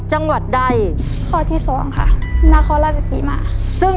ซึ่งภายในตู้โบนัส๔ตู้นั้นจะประกอบไปด้วยเงิน๑๐๐๐๐บาท๑ตู้